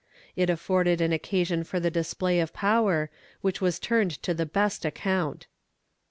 It afforded an occasion for the display of power, which was turned to the best account.